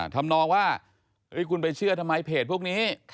ทำนองว่าคุณไปเชื่อทำไมเพจพวกนี้